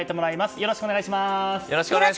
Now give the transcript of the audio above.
よろしくお願いします。